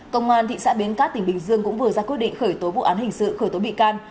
công an thị xã bến cát tỉnh bình dương cũng vừa ra quyết định khởi tố vụ án hình sự khởi tố bị can